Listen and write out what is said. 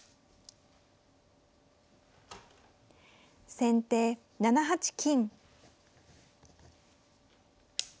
先手７八金。